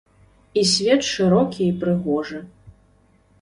І свет шырокі і прыгожы.